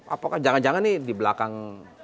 apakah jangan jangan nih di belakang